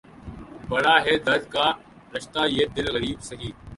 بڑا ہے درد کا رشتہ یہ دل غریب سہی